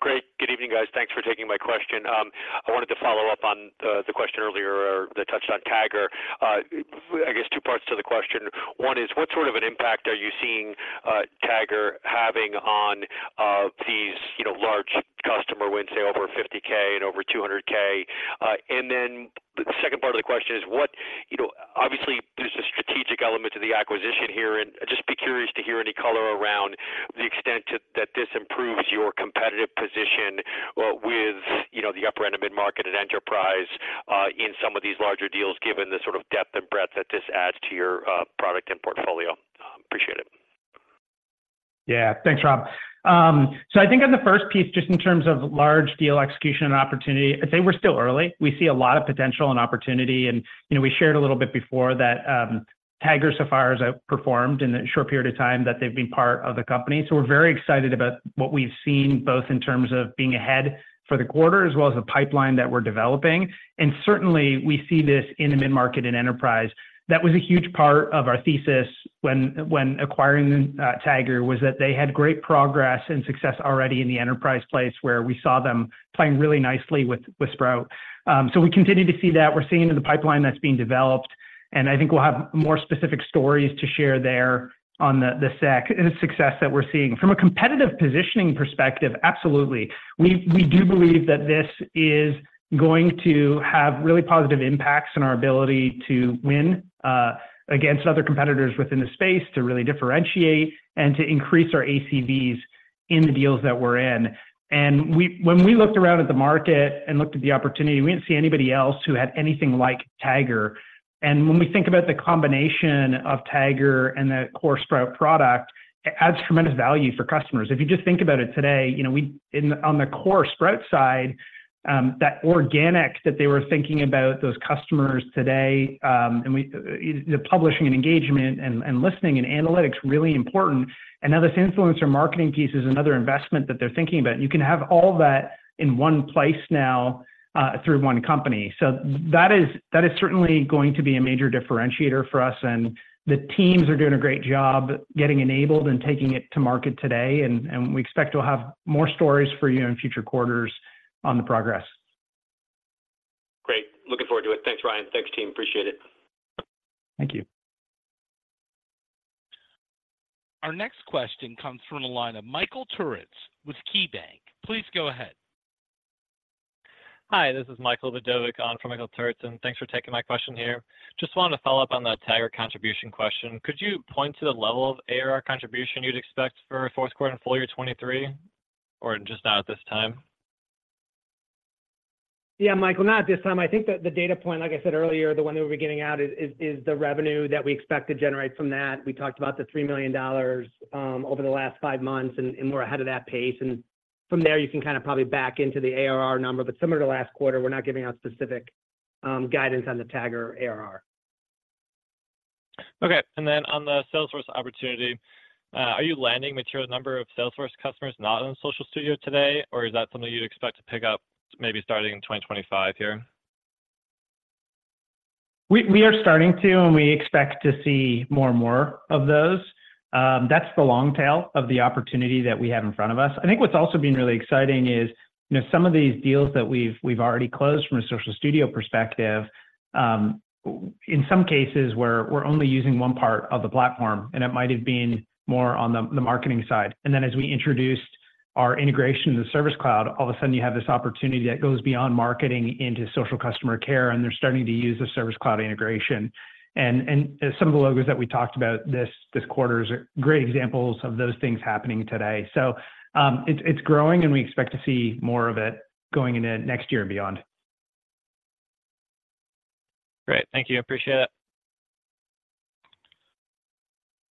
[SPEAKER 11] Great. Good evening, guys. Thanks for taking my question. I wanted to follow up on the question earlier or that touched on Tagger. I guess two parts to the question. One is, what sort of an impact are you seeing Tagger having on these, you know, large customer wins, say, over 50k and over 200k? And then the second part of the question is, what—you know, obviously, there's a strategic element to the acquisition here, and I'd just be curious to hear any color around the extent to that this improves your competitive position with, you know, the upper end of mid-market and enterprise in some of these larger deals, given the sort of depth and breadth that this adds to your product and portfolio. Appreciate it.
[SPEAKER 4] Yeah. Thanks, Rob. So I think on the first piece, just in terms of large deal execution and opportunity, I'd say we're still early. We see a lot of potential and opportunity, and, you know, we shared a little bit before that, Tagger, so far, has outperformed in the short period of time that they've been part of the company. So we're very excited about what we've seen, both in terms of being ahead for the quarter, as well as the pipeline that we're developing. And certainly, we see this in the mid-market and enterprise. That was a huge part of our thesis when acquiring Tagger, was that they had great progress and success already in the enterprise place, where we saw them playing really nicely with Sprout. So we continue to see that. We're seeing it in the pipeline that's being developed, and I think we'll have more specific stories to share there on the success that we're seeing. From a competitive positioning perspective, absolutely. We do believe that this is going to have really positive impacts on our ability to win against other competitors within the space, to really differentiate, and to increase our ACVs in the deals that we're in. And when we looked around at the market and looked at the opportunity, we didn't see anybody else who had anything like Tagger. And when we think about the combination of Tagger and the core Sprout product, it adds tremendous value for customers. If you just think about it today, you know, we, in, on the core Sprout side, that organic that they were thinking about, those customers today, and we, the publishing and engagement and listening and analytics, really important. And now, this influencer marketing piece is another investment that they're thinking about. You can have all that in one place now, through one company. So that is, that is certainly going to be a major differentiator for us, and the teams are doing a great job getting enabled and taking it to market today, and we expect to have more stories for you in future quarters on the progress.
[SPEAKER 11] Great. Looking forward to it. Thanks, Ryan. Thanks, team. Appreciate it.
[SPEAKER 4] Thank you.
[SPEAKER 1] Our next question comes from the line of Michael Turits with KeyBanc. Please go ahead.
[SPEAKER 12] Hi, this is Michael Vidovic on for Michael Turits, and thanks for taking my question here. Just wanted to follow up on the Tagger contribution question. Could you point to the level of ARR contribution you'd expect for fourth quarter and full year 2023, or just not at this time?
[SPEAKER 4] Yeah, Michael, not at this time. I think that the data point, like I said earlier, the one that we'll be getting out is the revenue that we expect to generate from that. We talked about the $3 million over the last five months, and we're ahead of that pace. And from there, you can kind of probably back into the ARR number, but similar to last quarter, we're not giving out specific guidance on the Tagger ARR.
[SPEAKER 12] Okay. And then on the Salesforce opportunity, are you landing material number of Salesforce customers not in Social Studio today, or is that something you'd expect to pick up maybe starting in 2025 here?
[SPEAKER 4] We are starting to, and we expect to see more and more of those. That's the long tail of the opportunity that we have in front of us. I think what's also been really exciting is, you know, some of these deals that we've already closed from a Social Studio perspective, in some cases, we're only using one part of the platform, and it might have been more on the marketing side. And then, as we introduced ... our integration in the Service Cloud, all of a sudden you have this opportunity that goes beyond marketing into social customer care, and they're starting to use the Service Cloud integration. And some of the logos that we talked about this quarter is a great examples of those things happening today. So, it's growing, and we expect to see more of it going into next year and beyond.
[SPEAKER 12] Great. Thank you. Appreciate it.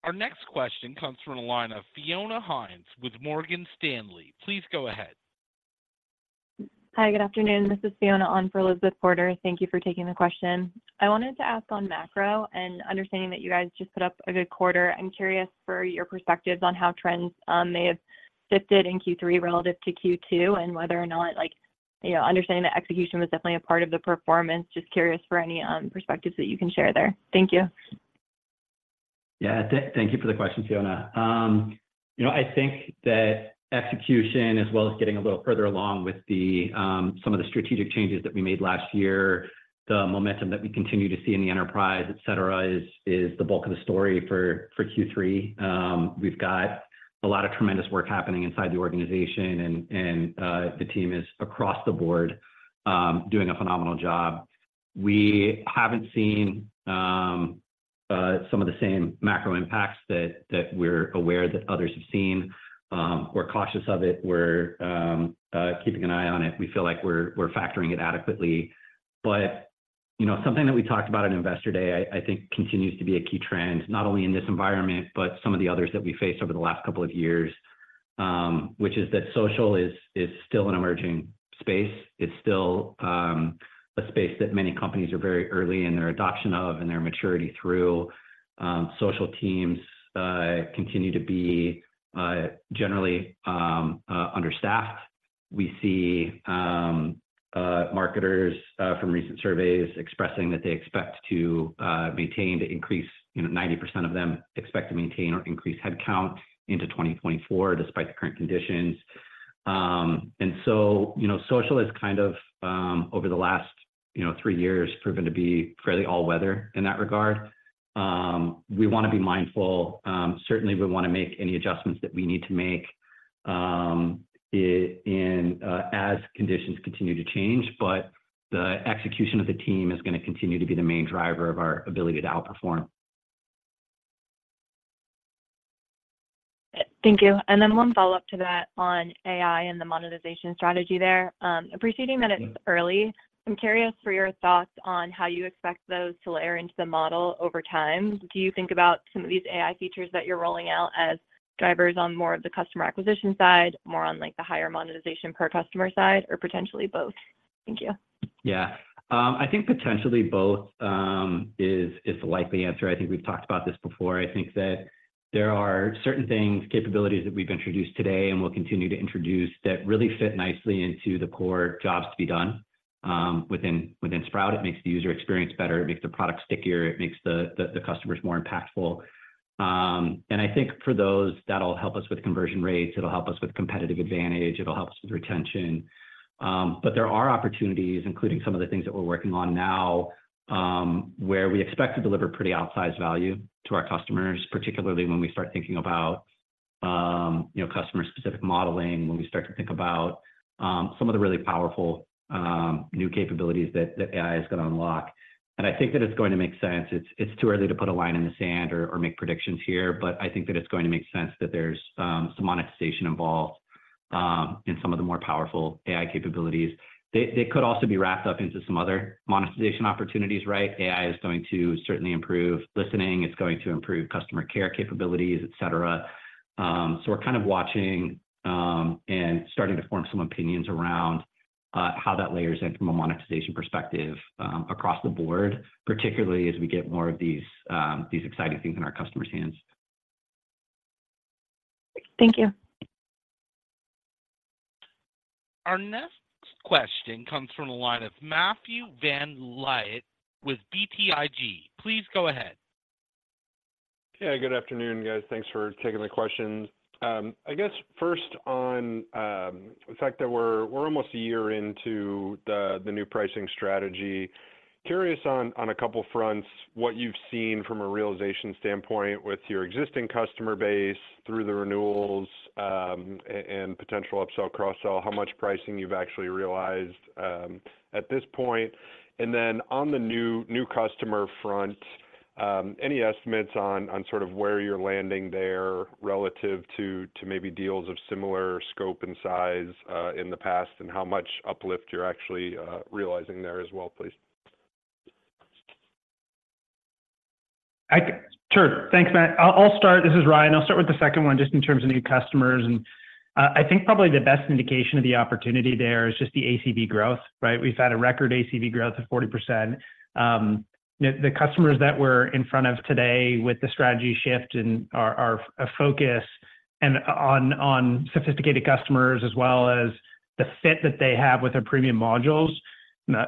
[SPEAKER 1] Our next question comes from the line of Fiona Hynes with Morgan Stanley. Please go ahead.
[SPEAKER 13] Hi, good afternoon. This is Fiona on for Elizabeth Porter. Thank you for taking the question. I wanted to ask on macro, and understanding that you guys just put up a good quarter, I'm curious for your perspectives on how trends may have shifted in Q3 relative to Q2, and whether or not, like, you know, understanding that execution was definitely a part of the performance. Just curious for any perspectives that you can share there. Thank you.
[SPEAKER 3] Yeah, thank you for the question, Fiona. You know, I think that execution, as well as getting a little further along with some of the strategic changes that we made last year, the momentum that we continue to see in the enterprise, et cetera, is the bulk of the story for Q3. We've got a lot of tremendous work happening inside the organization, and the team is across the board doing a phenomenal job. We haven't seen some of the same macro impacts that we're aware that others have seen. We're cautious of it, we're keeping an eye on it. We feel like we're factoring it adequately. But you know, something that we talked about at Investor Day, I think continues to be a key trend, not only in this environment, but some of the others that we faced over the last couple of years, which is that social is still an emerging space. It's still a space that many companies are very early in their adoption of and their maturity through. Social teams continue to be generally understaffed. We see marketers from recent surveys expressing that 90% of them expect to maintain or increase headcount into 2024, despite the current conditions. And so, you know, social has kind of over the last, you know, three years, proven to be fairly all-weather in that regard. We wanna be mindful, certainly we wanna make any adjustments that we need to make, in as conditions continue to change, but the execution of the team is gonna continue to be the main driver of our ability to outperform.
[SPEAKER 13] Thank you. Then one follow-up to that on AI and the monetization strategy there. Appreciating that it's early, I'm curious for your thoughts on how you expect those to layer into the model over time. Do you think about some of these AI features that you're rolling out as drivers on more of the customer acquisition side, more on, like, the higher monetization per customer side, or potentially both? Thank you.
[SPEAKER 3] Yeah. I think potentially both is the likely answer. I think we've talked about this before. I think that there are certain things, capabilities that we've introduced today and will continue to introduce, that really fit nicely into the core jobs to be done, within Sprout. It makes the user experience better, it makes the product stickier, it makes the customers more impactful. And I think for those, that'll help us with conversion rates, it'll help us with competitive advantage, it'll help us with retention. But there are opportunities, including some of the things that we're working on now, where we expect to deliver pretty outsized value to our customers, particularly when we start thinking about, you know, customer-specific modeling, when we start to think about, some of the really powerful, new capabilities that that AI is going to unlock. And I think that it's going to make sense. It's, it's too early to put a line in the sand or, or make predictions here, but I think that it's going to make sense that there's, some monetization involved, in some of the more powerful AI capabilities. They, they could also be wrapped up into some other monetization opportunities, right? AI is going to certainly improve listening, it's going to improve customer care capabilities, et cetera. So we're kind of watching and starting to form some opinions around how that layers in from a monetization perspective across the board, particularly as we get more of these exciting things in our customers' hands.
[SPEAKER 13] Thank you.
[SPEAKER 1] Our next question comes from the line of Matthew VanVliet with BTIG. Please go ahead.
[SPEAKER 14] Yeah, good afternoon, guys. Thanks for taking the questions. I guess first on the fact that we're almost a year into the new pricing strategy. Curious on a couple of fronts, what you've seen from a realization standpoint with your existing customer base through the renewals and potential upsell, cross-sell, how much pricing you've actually realized at this point? And then on the new customer front, any estimates on sort of where you're landing there relative to maybe deals of similar scope and size in the past, and how much uplift you're actually realizing there as well, please?
[SPEAKER 4] Sure. Thanks, Matt. I'll start. This is Ryan. I'll start with the second one, just in terms of new customers. And I think probably the best indication of the opportunity there is just the ACV growth, right? We've had a record ACV growth of 40%. The customers that we're in front of today with the strategy shift and our focus on sophisticated customers, as well as the fit that they have with their premium modules,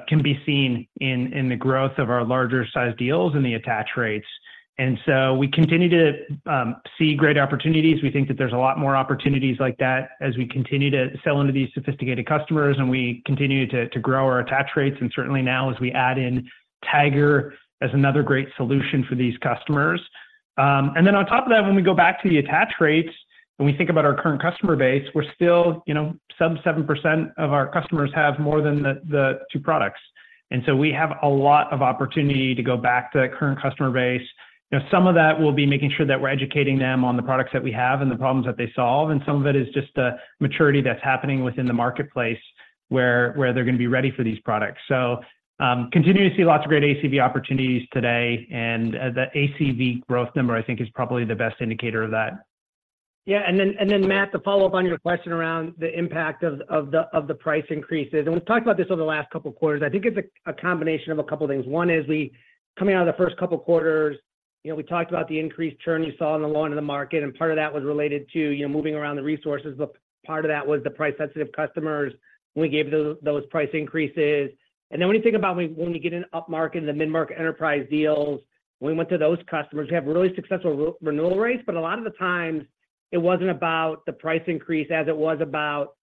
[SPEAKER 4] can be seen in the growth of our larger-sized deals and the attach rates. And so we continue to see great opportunities. We think that there's a lot more opportunities like that as we continue to sell into these sophisticated customers and we continue to grow our attach rates, and certainly now as we add in Tagger as another great solution for these customers.... and then on top of that, when we go back to the attach rates, when we think about our current customer base, we're still, you know, some 7% of our customers have more than the two products. And so we have a lot of opportunity to go back to the current customer base. You know, some of that will be making sure that we're educating them on the products that we have and the problems that they solve, and some of it is just the maturity that's happening within the marketplace, where they're gonna be ready for these products. So, continue to see lots of great ACV opportunities today, and the ACV growth number, I think, is probably the best indicator of that.
[SPEAKER 5] Yeah, Matt, to follow up on your question around the impact of the price increases, and we've talked about this over the last couple of quarters. I think it's a combination of a couple of things. One is coming out of the first couple of quarters, you know, we talked about the increased churn you saw in the low end of the market, and part of that was related to, you know, moving around the resources, but part of that was the price-sensitive customers when we gave those price increases. Then when you think about when we get an upmarket in the mid-market enterprise deals, when we went to those customers, we have really successful renewal rates, but a lot of the times it wasn't about the price increase as it was about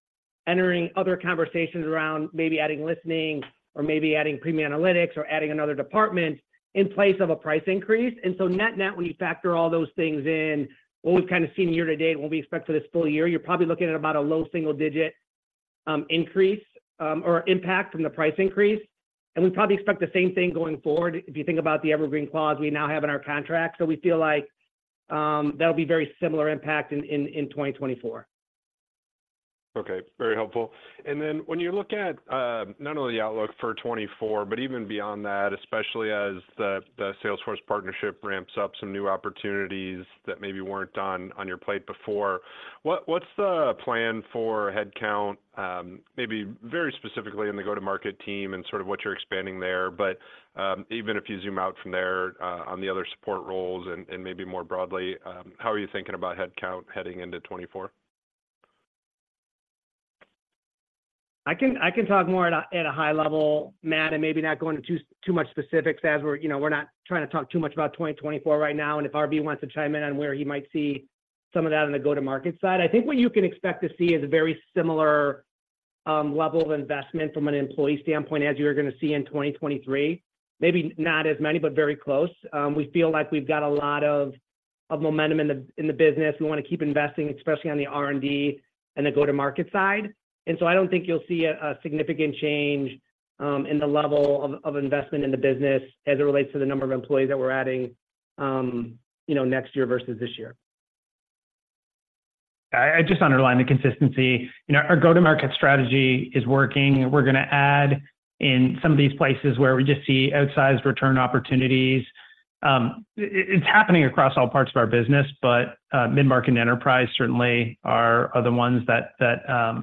[SPEAKER 5] entering other conversations around maybe adding listening or maybe adding premium analytics or adding another department in place of a price increase. And so net-net, when you factor all those things in, what we've kind of seen year to date, and what we expect for this full year, you're probably looking at about a low single digit increase or impact from the price increase. And we probably expect the same thing going forward. If you think about the evergreen clause we now have in our contract, so we feel like that'll be very similar impact in 2024.
[SPEAKER 14] Okay, very helpful. And then when you look at, not only the outlook for 2024, but even beyond that, especially as the Salesforce partnership ramps up some new opportunities that maybe weren't on your plate before, what's the plan for headcount, maybe very specifically in the go-to-market team and sort of what you're expanding there? But, even if you zoom out from there, on the other support roles and maybe more broadly, how are you thinking about headcount heading into 2024?
[SPEAKER 5] I can talk more at a high level, Matt, and maybe not go into too much specifics as we're, you know, we're not trying to talk too much about 2024 right now, and if RB wants to chime in on where he might see some of that on the go-to-market side. I think what you can expect to see is a very similar level of investment from an employee standpoint, as you are gonna see in 2023. Maybe not as many, but very close. We feel like we've got a lot of momentum in the business. We wanna keep investing, especially on the R&D and the go-to-market side. So I don't think you'll see a significant change in the level of investment in the business as it relates to the number of employees that we're adding, you know, next year versus this year.
[SPEAKER 4] I just underline the consistency. You know, our go-to-market strategy is working, and we're gonna add in some of these places where we just see outsized return opportunities. It's happening across all parts of our business, but mid-market and enterprise certainly are the ones that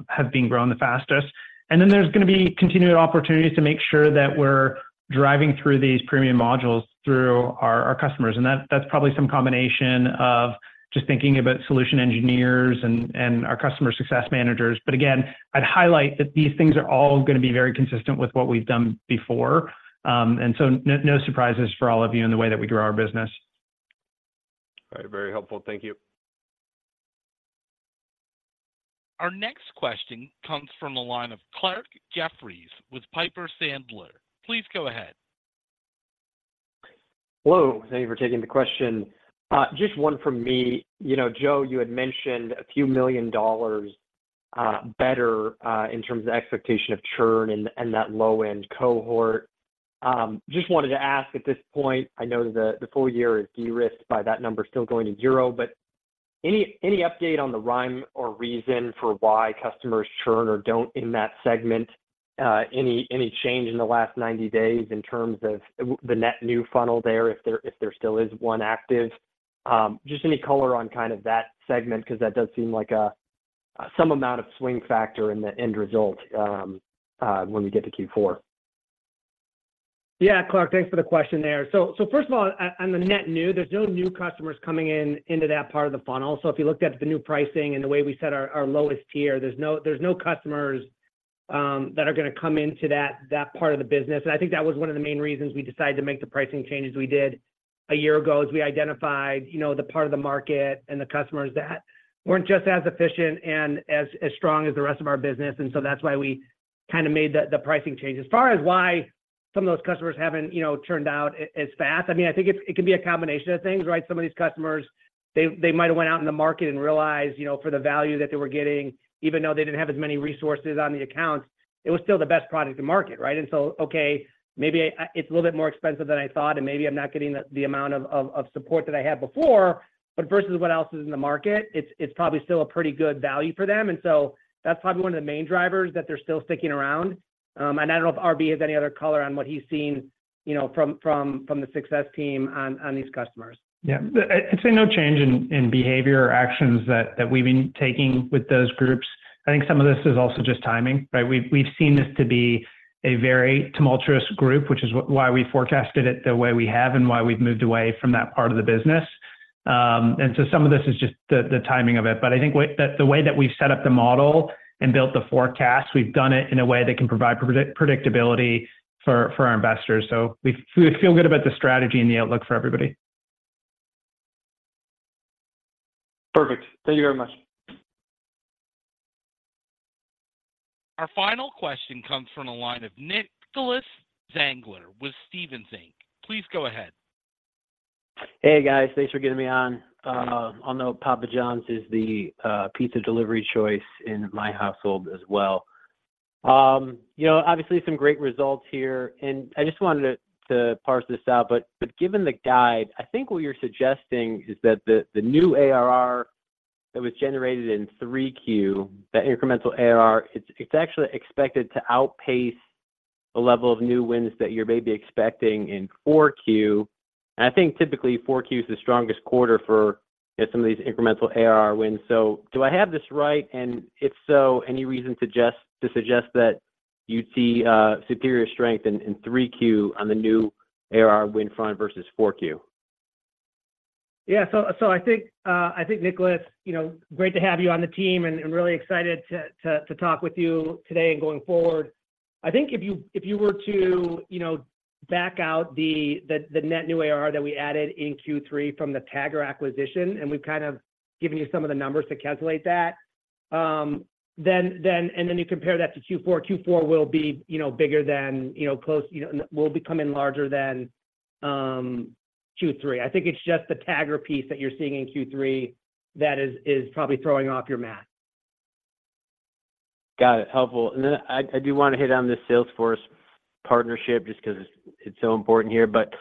[SPEAKER 4] have been growing the fastest. And then there's gonna be continued opportunities to make sure that we're driving through these premium modules through our customers, and that's probably some combination of just thinking about solution engineers and our customer success managers. But again, I'd highlight that these things are all gonna be very consistent with what we've done before. And so, no, no surprises for all of you in the way that we grow our business.
[SPEAKER 14] All right. Very helpful. Thank you.
[SPEAKER 1] Our next question comes from the line of Clarke Jeffries with Piper Sandler. Please go ahead.
[SPEAKER 15] Hello, thank you for taking the question. Just one from me. You know, Joe, you had mentioned a few million dollars better in terms of expectation of churn and that low-end cohort. Just wanted to ask at this point. I know the full year is de-risked by that number still going to zero, but any update on the rhyme or reason for why customers churn or don't in that segment? Any change in the last 90 days in terms of the net new funnel there, if there still is one active? Just any color on kind of that segment, 'cause that does seem like some amount of swing factor in the end result when we get to Q4.
[SPEAKER 5] Yeah, Clarke, thanks for the question there. So first of all, on the net new, there's no new customers coming in into that part of the funnel. So if you looked at the new pricing and the way we set our lowest tier, there's no customers that are gonna come into that part of the business. And I think that was one of the main reasons we decided to make the pricing changes we did a year ago, as we identified, you know, the part of the market and the customers that weren't just as efficient and as strong as the rest of our business, and so that's why we kinda made the pricing change. As far as why some of those customers haven't, you know, turned out as fast, I mean, I think it's, it can be a combination of things, right? Some of these customers, they might have went out in the market and realized, you know, for the value that they were getting, even though they didn't have as many resources on the accounts, it was still the best product in the market, right? And so, okay, maybe it's a little bit more expensive than I thought, and maybe I'm not getting the amount of support that I had before, but versus what else is in the market, it's probably still a pretty good value for them. And so that's probably one of the main drivers that they're still sticking around. I don't know if RB has any other color on what he's seen, you know, from the success team on these customers.
[SPEAKER 4] Yeah. I'd say no change in behavior or actions that we've been taking with those groups. I think some of this is also just timing, right? We've seen this to be a very tumultuous group, which is why we forecasted it the way we have and why we've moved away from that part of the business. And so some of this is just the timing of it, but I think the way that we've set up the model and built the forecast, we've done it in a way that can provide predictability for our investors. So we feel good about the strategy and the outlook for everybody.
[SPEAKER 15] Perfect. Thank you very much....
[SPEAKER 1] Our final question comes from the line of Nicholas Zangler with Stephens Inc. Please go ahead.
[SPEAKER 16] Hey, guys. Thanks for getting me on. I know Papa John's is the pizza delivery choice in my household as well. You know, obviously some great results here, and I just wanted to parse this out. But given the guide, I think what you're suggesting is that the new ARR that was generated in Q3, that incremental ARR, it's actually expected to outpace the level of new wins that you're maybe expecting in Q4. And I think typically, Q4 is the strongest quarter for some of these incremental ARR wins. So do I have this right? And if so, any reason to just to suggest that you'd see superior strength in Q3 on the new ARR win front versus Q4?
[SPEAKER 4] Yeah. So, so I think, I think, Nicholas, you know, great to have you on the team, and, and really excited to, to, to talk with you today and going forward. I think if you, if you were to, you know, back out the, the, the net new ARR that we added in Q3 from the Tagger acquisition, and we've kind of given you some of the numbers to calculate that, then, then, and then you compare that to Q4, Q4 will be, you know, bigger than, you know, close, you know, will become larger than, Q3. I think it's just the Tagger piece that you're seeing in Q3 that is, is probably throwing off your math.
[SPEAKER 16] Got it. Helpful. And then I do want to hit on this Salesforce partnership just because it's so important here. But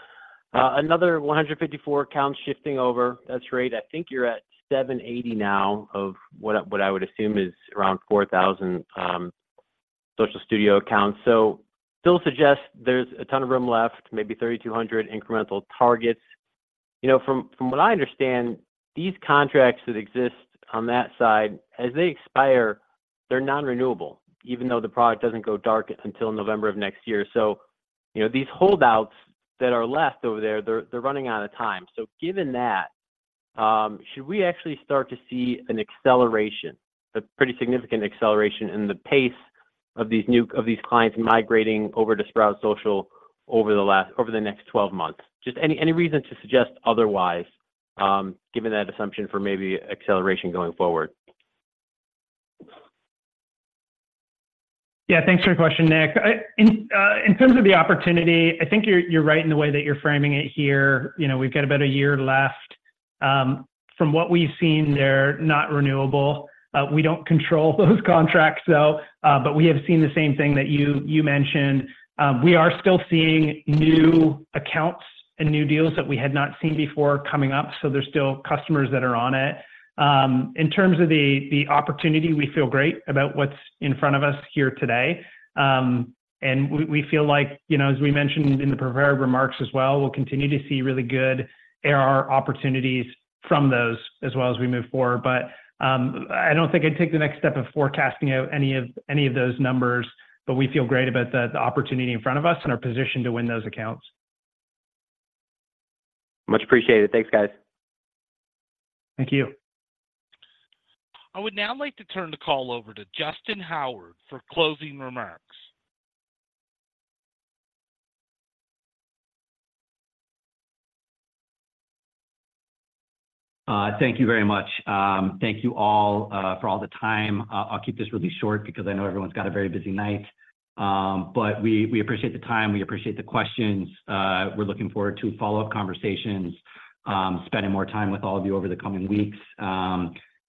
[SPEAKER 16] another 154 accounts shifting over. That's right. I think you're at 780 now of what I would assume is around 4,000 Social Studio accounts. So still suggests there's a ton of room left, maybe 3,200 incremental targets. You know, from what I understand, these contracts that exist on that side, as they expire, they're non-renewable, even though the product doesn't go dark until November of next year. So you know, these holdouts that are left over there, they're running out of time. So given that, should we actually start to see an acceleration, a pretty significant acceleration in the pace of these clients migrating over to Sprout Social over the next 12 months? Just any, any reason to suggest otherwise, given that assumption for maybe acceleration going forward?
[SPEAKER 4] Yeah, thanks for your question, Nick. In terms of the opportunity, I think you're right in the way that you're framing it here. You know, we've got about a year left. From what we've seen, they're not renewable. We don't control those contracts, though, but we have seen the same thing that you mentioned. We are still seeing new accounts and new deals that we had not seen before coming up, so there's still customers that are on it. In terms of the opportunity, we feel great about what's in front of us here today. And we feel like, you know, as we mentioned in the prepared remarks as well, we'll continue to see really good ARR opportunities from those as well as we move forward. But, I don't think I'd take the next step of forecasting out any of those numbers, but we feel great about the opportunity in front of us and our position to win those accounts.
[SPEAKER 16] Much appreciated. Thanks, guys.
[SPEAKER 4] Thank you.
[SPEAKER 1] I would now like to turn the call over to Justyn Howard for closing remarks.
[SPEAKER 3] Thank you very much. Thank you all for all the time. I'll keep this really short because I know everyone's got a very busy night. But we, we appreciate the time, we appreciate the questions. We're looking forward to follow-up conversations, spending more time with all of you over the coming weeks.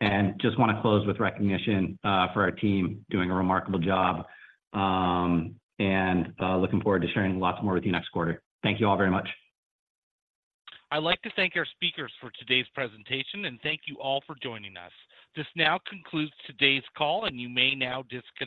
[SPEAKER 3] And just want to close with recognition for our team doing a remarkable job, and looking forward to sharing lots more with you next quarter. Thank you all very much.
[SPEAKER 1] I'd like to thank our speakers for today's presentation, and thank you all for joining us. This now concludes today's call, and you may now disconnect.